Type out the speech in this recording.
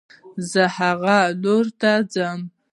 زه هغه لور ته ځم